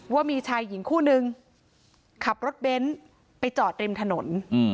ว่ามีชายหญิงคู่นึงขับรถเบนท์ไปจอดริมถนน